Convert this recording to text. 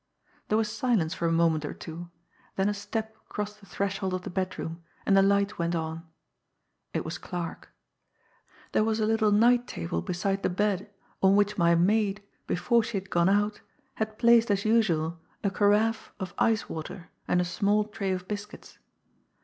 There was silence for a moment or two, then a step crossed the threshold of the bedroom, and the light went on. It was Clarke. There was a little night table beside the bed on which my maid, before she had gone out, had placed as usual a carafe of ice water and a small tray of biscuits.